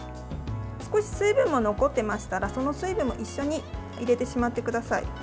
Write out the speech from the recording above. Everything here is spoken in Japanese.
少し水分が残ってましたらその水分も一緒に入れてしまってください。